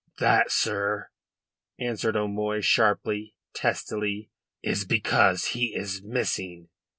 "That, sir," answered O'Moy sharply, testily, "is because he is missing."